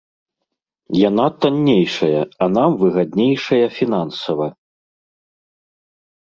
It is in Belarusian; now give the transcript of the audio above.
Яна таннейшая, а нам выгаднейшая фінансава.